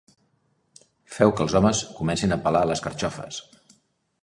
Feu que els homes comencin a pelar les carxofes.